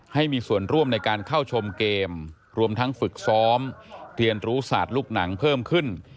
ให้มีส่วนร่วมในการเข้าชมเกมรวมทั้งฝึกซ้อมเรียนรู้ศาสตร์ลูกหนังเพิ่มขึ้น